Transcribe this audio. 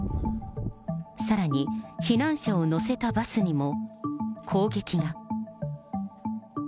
さらに、避難者を乗せたバスにも、攻撃が。